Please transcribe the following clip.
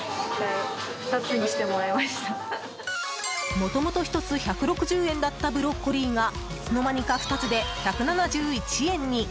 もともと１つ１６０円だったブロッコリーがいつの間にか２つで１７１円に。